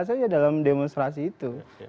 saja dalam demonstrasi itu